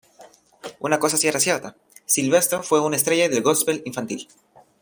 Una cosa sí era cierta: Sylvester fue una estrella del gospel infantil.